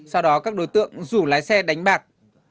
sau đó các đối tượng rủ lái xe đánh bạc